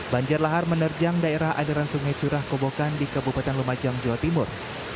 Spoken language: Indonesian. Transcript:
banjir lahar menerjang daerah adaran sungai curah kobokan di kabupaten lumajang jawa timur